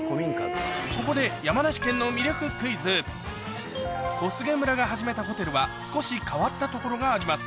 ここで小菅村が始めたホテルは少し変わったところがあります